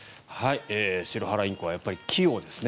シロハラインコはやっぱり器用ですね。